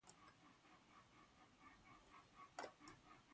His work has a particular focus on agricultural techniques in developing countries.